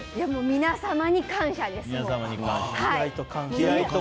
皆様に感謝です。